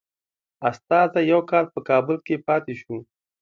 استازی یو کال په کابل کې پاته شو.